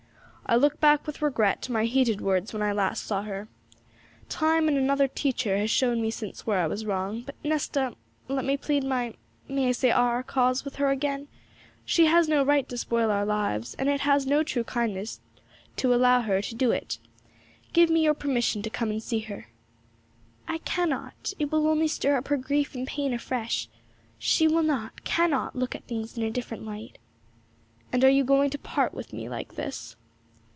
'I look back with regret to my heated words when last I saw her. Time and another Teacher has shown me since where I was wrong; but, Nesta, let me plead my may I say our cause with her again? She has no right to spoil our lives, and it is no true kindness to her to allow her to do it. Give me your permission to come and see her.' 'I cannot; it will only stir up her grief and pain afresh. She will not, cannot, look at things in a different light.' 'And are you going to part with me like this?'